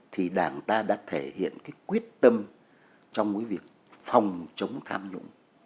thì đảng ta đã thể hiện cái quyết tâm trong cái việc phòng chống tham nhũng